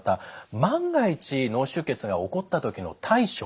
万が一脳出血が起こった時の対処